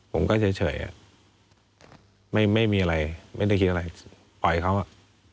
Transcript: ผมก็เฉยอ่ะไม่มีอะไรไม่ได้คิดอะไรปล่อยเขาอ่ะ